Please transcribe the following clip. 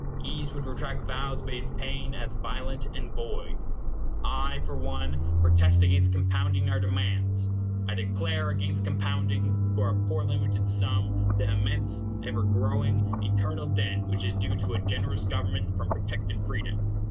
"Ease would retract Vows made in pain, as violent and void." I, for one, protest against compounding our demands. I declare against compounding, for a poor limited sum, the immense, ever growing, eternal debt which is due to generous government from protected freedom.